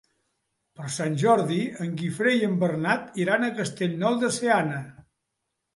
Per Sant Jordi en Guifré i en Bernat iran a Castellnou de Seana.